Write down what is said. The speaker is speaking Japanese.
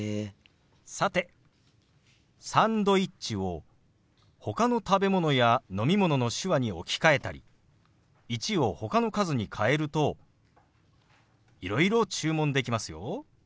さて「サンドイッチ」をほかの食べ物や飲み物の手話に置き換えたり「１」をほかの数に変えるといろいろ注文できますよ。